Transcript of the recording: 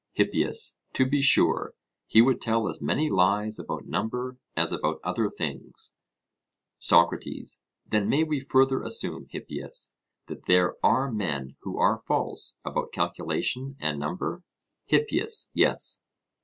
HIPPIAS: To be sure; he would tell as many lies about number as about other things. SOCRATES: Then may we further assume, Hippias, that there are men who are false about calculation and number? HIPPIAS: Yes.